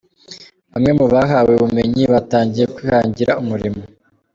Bamwe mu bahawe ubumenyi batangiye kwihangira umurimo.